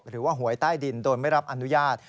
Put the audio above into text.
หรือว่าหวยใต้ดินโดยไม่รับอนุญาต